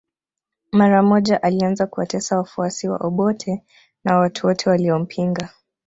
Mara moja alianza kuwatesa wafuasi wa Obote na watu wote waliompinga